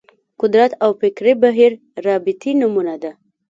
قدرت او فکري بهیر رابطې نمونه ده